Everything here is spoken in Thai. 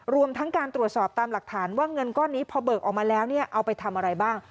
รวมทั้งการตรวจสอบตามหลักฐานว่าเงินก้อนนี้พอเบิกออกมาแล้วเนี่ยเอาไปทำอะไรบ้าง